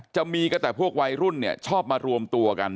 จะมีก็แต่พวกวัยรุ่นเนี่ยชอบมารวมตัวกัน